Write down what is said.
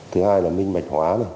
thứ hai là minh bạch hóa này